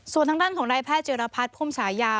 ส่วนทางด้านของนายแพทย์เจรพัฒน์พุ่มฉายา